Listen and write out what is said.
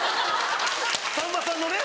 さんまさんのね。